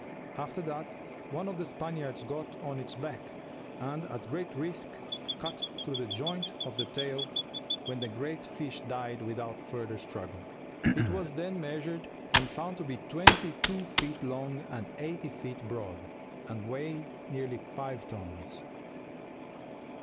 After that one of the Spaniards got on its back, and at great risk cut through the joint of the tail, when the great fish died without further struggle. It was then measured, and found to be twenty two feet long and eight feet broad, and weighed nearly five tons."